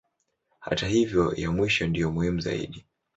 Hata hivyo ya mwisho ndiyo muhimu zaidi.